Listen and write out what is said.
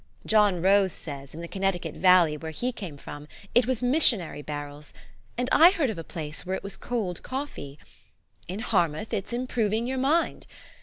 John Rose says, in the Connecticut Valley, where he came from, it was missionary barrels ; and I heard of a place where it was cold coffee. In Har mouth, it's improving your mind.